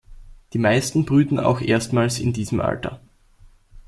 Die meisten brüten auch erstmals in diesem Alter.